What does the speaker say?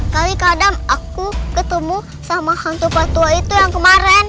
kali kadang aku ketemu sama hantu patua itu yang kemarin